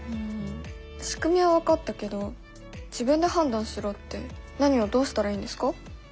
しくみは分かったけど自分で判断しろって何をどうしたらいいんですか？